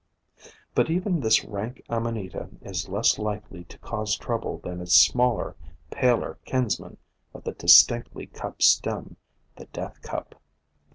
But even this rank Amanita is less likely to cause trouble than its smaller, paler kinsman of the distinctly cupped stem — the Death Cup.